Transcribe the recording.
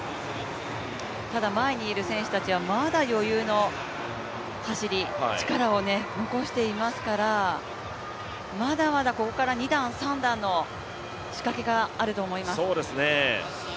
ただ前にいる選手たちはまだ余裕の走り力をね残していますから、まだまだここから２段３段の仕掛けがあると思います。